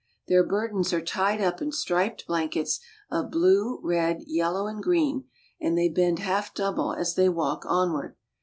Their burdens are tied up in striped blankets of blue, red, yellow, and green, and they bend half double as they walk onward.